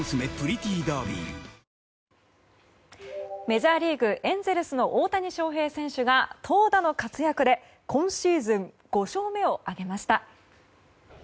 メジャーリーグエンゼルスの大谷翔平選手が投打の活躍で今シーズン５勝目を挙げました。